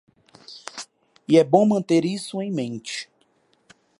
E é bom manter isso em mente.